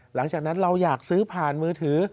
หลังจากนั้นเราอยากซื้อผ่านมือถือ